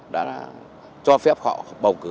đã cho phép họ bầu cử